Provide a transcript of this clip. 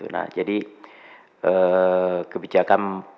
nah jadi kebijakan pelonggaran menurunnya